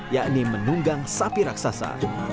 yakni menunggang sapi raksasa